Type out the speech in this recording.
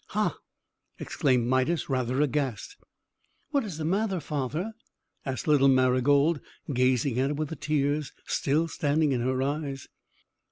"Ha!" exclaimed Midas, rather aghast. "What is the matter, father?" asked little Marygold, gazing at him, with the tears still standing in her eyes.